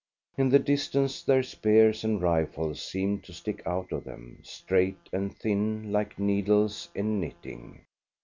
In the distance their spears and rifles seemed to stick out of them, straight and thin, like needles in knitting.